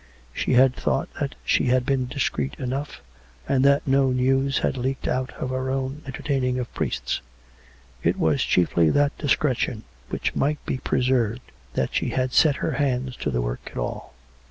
She had thought that she had been discreet enough, and that no news had leaked out of her own entertaining of priests; it was chiefly that discre tion might be preserved that she had set her hands to the work at all.